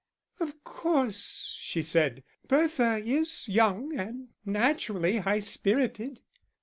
"Of course," she said, "Bertha is young, and naturally high spirited."